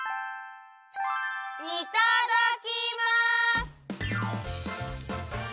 いただきます！